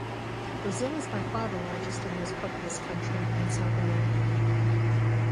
Brazil is by far the largest and most populous country in South America.